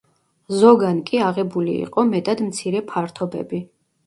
ზოგან კი აღებული იყო მეტად მცირე ფართობები.